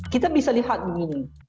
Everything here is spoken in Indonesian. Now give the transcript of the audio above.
kita bisa lihat begini